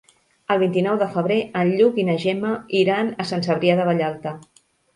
El vint-i-nou de febrer en Lluc i na Gemma iran a Sant Cebrià de Vallalta.